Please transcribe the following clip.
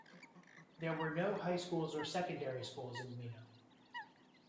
There were no high schools or secondary schools in Mino.